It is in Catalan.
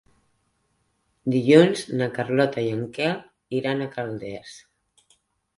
Dilluns na Carlota i en Quel iran a Calders.